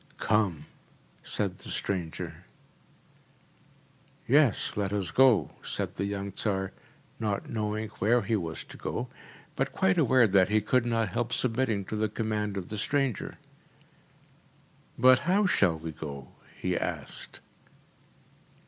‚ÄúCome!‚ÄĚ said the stranger. “Yes, let us go,‚ÄĚ said the young Tsar, not knowing where he was to go, but quite aware that he could not help submitting to the command of the stranger. “But how shall we go?‚ÄĚ he asked.